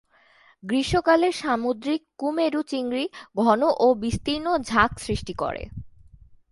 গ্রীষ্মকালে সামুদ্রিক কুমেরু চিংড়ি ঘন ও বিস্তীর্ণ ঝাঁক সৃষ্টি করে।